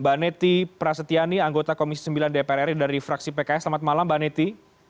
mbak neti prasetyani anggota komisi sembilan dpr ri dari fraksi pks selamat malam mbak neti